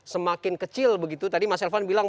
semakin kecil begitu tadi mas elvan bilang